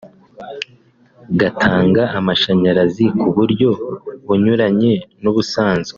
gatanga amashanyarazi ku buryo bunyuranye n’ubusanzwe